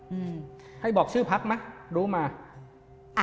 มีแค่บอกชื่อพักไหมรู้มา